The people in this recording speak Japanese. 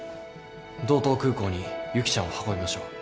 道東空港にゆきちゃんを運びましょう。